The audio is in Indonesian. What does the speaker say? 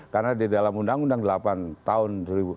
karena di dalam undang undang delapan tahun